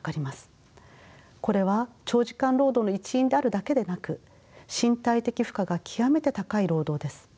これは長時間労働の一因であるだけでなく身体的負荷が極めて高い労働です。